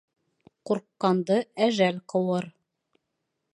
Ҡурҡҡанды әжәл ҡыуыр.